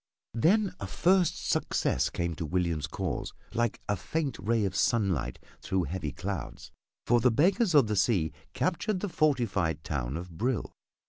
Then a first success came to William's cause like a faint ray of sunlight through heavy clouds, for the Beggars of the Sea captured the fortified town of Brill.